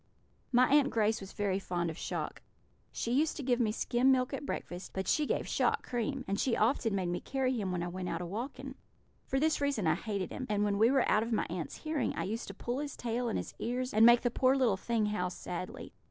"My Aunt Grace was very fond of Shock. She used to give me skim milk at breakfast, but she gave Shock cream; and she often made me carry him when I went out a walking. For this reason I hated him, and when we were out of my aunts' hearing I used to pull his tail and his ears and make the poor little thing howl sadly.